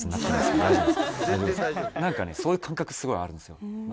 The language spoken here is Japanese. なんかねそういう感覚すごいあるんですよ。